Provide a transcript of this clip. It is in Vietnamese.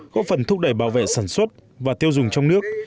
góp phần thúc đẩy bảo vệ sản xuất và tiêu dùng trong nước